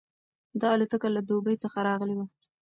دا الوتکه له دوبۍ څخه راغلې وه.